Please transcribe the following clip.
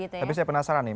tapi saya penasaran nih